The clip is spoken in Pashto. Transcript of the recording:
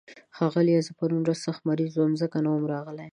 ښاغليه، زه پرون ورځ سخت مريض وم، ځکه نه وم راغلی.